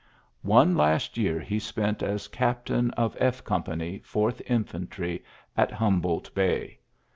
O last year he spent as captain of F Go: pany. Fourth Infentry, at Humbol Bay.